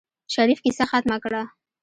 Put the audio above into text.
شريف کيسه ختمه کړه.